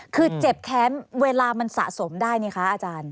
คือเจ็บแค้นเวลามันสะสมได้นี่คะอาจารย์